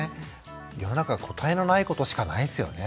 世の中答えのないことしかないですよね。